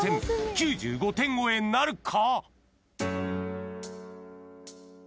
９５点超えなるか？